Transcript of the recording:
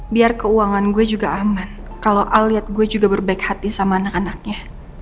biar keuangan gue juga aman kalau al lihat gue juga berbaik hati sama anak anaknya